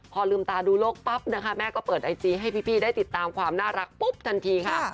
พอลืมตาดูโลกปั๊บนะคะแม่ก็เปิดไอจีให้พี่ได้ติดตามความน่ารักปุ๊บทันทีค่ะ